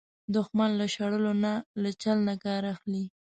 دښمن له شړلو نه، له چل نه کار اخلي